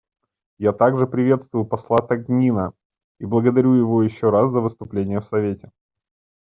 Я также приветствую посла Танина и благодарю его еще раз за выступление в Совете.